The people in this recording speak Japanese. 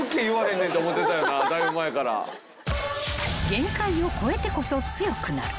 ［限界を超えてこそ強くなる］